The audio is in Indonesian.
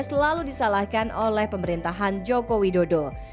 selalu disalahkan oleh pemerintahan joko widodo